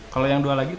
kalau yang dua lagi